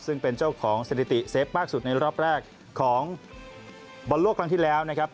ซึ่งเป็นเจ้าของสถิติเซฟมากสุดในรอบแรกของบอลโลกครั้งที่แล้วนะครับ